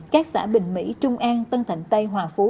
các xã bình mỹ trung an tân thạnh tây hòa phú